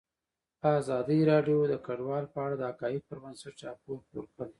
ازادي راډیو د کډوال په اړه د حقایقو پر بنسټ راپور خپور کړی.